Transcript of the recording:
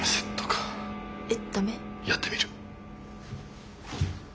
やってみる。